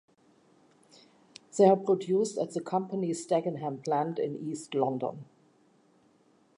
They are produced at the company's Dagenham plant in east London.